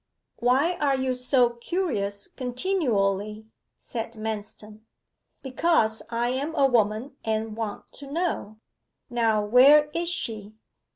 'Why are you so curious continually?' said Manston. 'Because I am a woman and want to know. Now where is she?